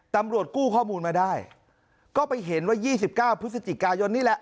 ตำรวจกู้ข้อมูลมาได้ก็ไปเห็นว่ายี่สิบเก้าพฤติการยนต์นี่แหละ